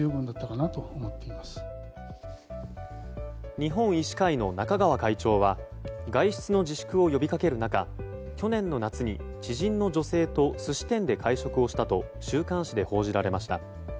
日本医師会の中川会長は外出の自粛を呼びかける中去年の夏に、知人の女性と寿司店で会食をしたと週刊誌で報じられました。